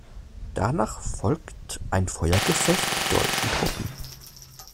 Danach folgt ein Feuergefecht mit deutschen Truppen.